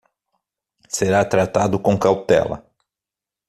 Será tratado com cautela